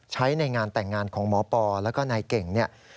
ใช้ในงานแต่งงานของหมอปอร์และก็นายเก่ง